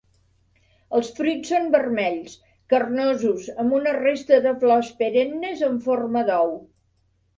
Els fruits són vermells, carnosos amb una resta de flors perennes en forma d'ou.